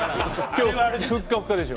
今日ふっかふかでしょ。